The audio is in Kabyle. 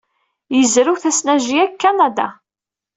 Yezrew tasnajya deg Kanada.